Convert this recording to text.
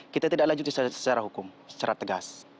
kita tidak lanjuti secara hukum secara tegas